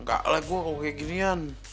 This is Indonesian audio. gak like gue kalau kayak ginian